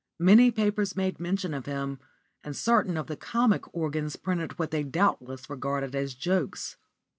Many papers made mention of him, and certain of the comic organs printed what they doubtless regarded as jokes.